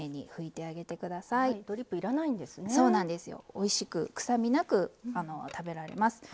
おいしく臭みなく食べられます。